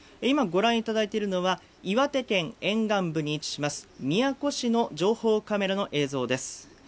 今ご覧いただいてるのは、岩手県沿岸部に位置します宮古市の情報カメラの映像です。